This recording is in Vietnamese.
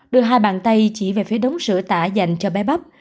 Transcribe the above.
đưa hai bàn tay chỉ về phía đống sữa tả dành cho bé bắp